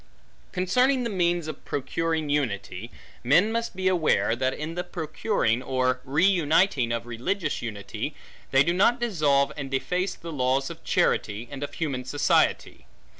Concerning the means of procuring unity; men must beware, that in the procuring, or reuniting, of religious unity, they do not dissolve and deface the laws of charity, and of human society.